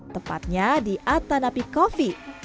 tepatnya di atanapi coffee